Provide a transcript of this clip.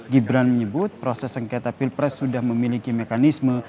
gibran menyebut proses sengketa pilpres sudah memiliki mekanisme